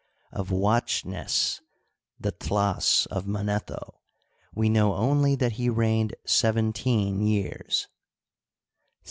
Of Ouat jnes, the Tlasoi Manetho, we know only that he reigned seventeen years.